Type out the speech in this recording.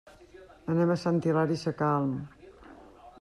Anem a Sant Hilari Sacalm.